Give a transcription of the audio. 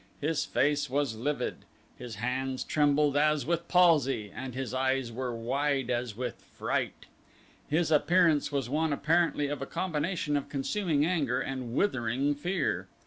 His face was livid; his hands trembled as with palsy, and his eyes were wide as with fright. His appearance was one apparently of a combination of consuming anger and withering fear.